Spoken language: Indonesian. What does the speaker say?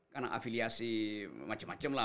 karena afiliasi macem macem lah